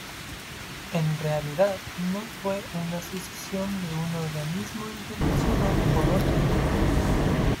En realidad no fue una sucesión de un organismo internacional por otro.